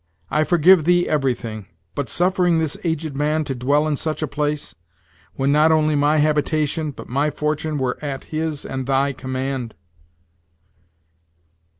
I forgive thee everything, but suffering this aged man to dwell in such a place, when not only my habitation, but my fortune, were at his and thy command."